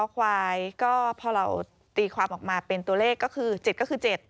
ควายก็พอเราตีความออกมาเป็นตัวเลขก็คือ๗ก็คือ๗